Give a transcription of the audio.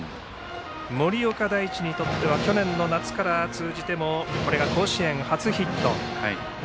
森岡大智にとっては去年の夏から通じてもこれが甲子園初ヒット。